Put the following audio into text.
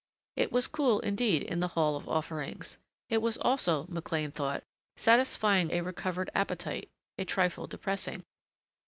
It was cool indeed, in the Hall of Offerings. It was also, McLean thought, satisfying a recovered appetite, a trifle depressing.